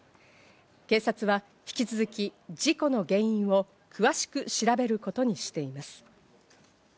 警察は引き続き、事故の原因を詳しく調べることにしています。